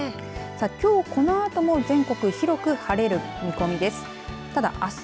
きょう、このあとも全国広く晴れる見込みです。